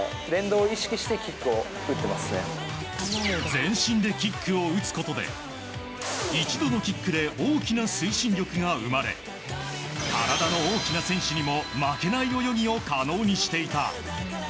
全身でキックを打つことで一度のキックで大きな推進力が生まれ体の大きな選手にも負けない泳ぎを可能にしていた。